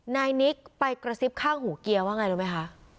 นายนิกไปกระซิบข้างหูเกียร์ว่าไงรู้ไหมคะ